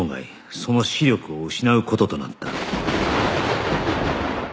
その視力を失う事となった